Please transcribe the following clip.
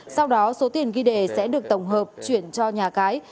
sau đó số tiền ghi đề sẽ được tổng hợp chuyển cho nhà cái